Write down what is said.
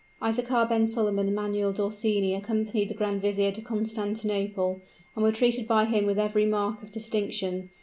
Isaachar ben Solomon and Manuel d'Orsini accompanied the grand vizier to Constantinople, and were treated by him with every mark of distinction.